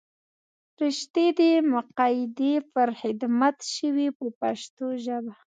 فرښتې دې مقیدې پر خدمت شوې په پښتو ژبه.